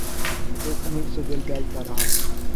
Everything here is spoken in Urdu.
ایک امید سے دل بہلتا رہا